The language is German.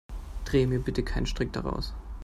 Dreh mir bitte keinen Strick daraus.